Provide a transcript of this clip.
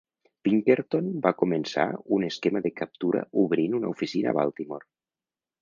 Pinkerton va començar un esquema de captura obrint una oficina a Baltimore.